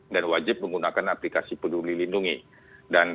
dan wajib menggunakan aplikasi peduli lindung yang ada di negara